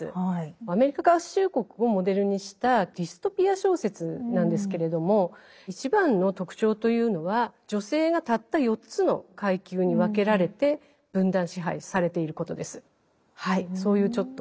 アメリカ合衆国をモデルにしたディストピア小説なんですけれども一番の特徴というのは女性がたった４つの階級に分けられて分断支配されていることです。